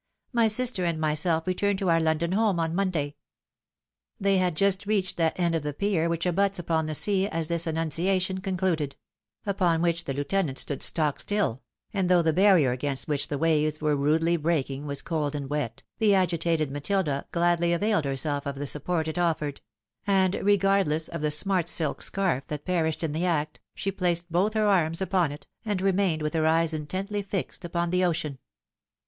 My sister and myself return to our London home on Monday." They had just reached that end of the pier which abuts upon the sea, as this annunciation concluded ; upon which the Lieu tenant stood stock still ; and though the barrier against which the waves were rudely breaking was cold and wet, the agitated MatOda gladly availed herself of the support it offered ; and, regardless of the smart silk scarf that perished in the act, she placed both her arms upon it, and remained with her eyes intently fixed upon the ocean.